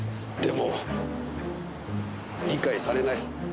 でも理解されない。